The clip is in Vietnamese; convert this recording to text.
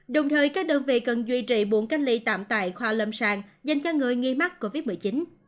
đồng thời các đơn vị cần duy trì buồng cách ly tạm tại khoa lâm sàng dành cho người nghi mắc covid một mươi chín